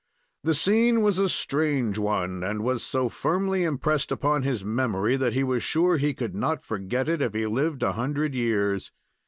The scene was a strange one, and was so firmly impressed upon his memory that he was sure he could not forget it if he lived a hundred years.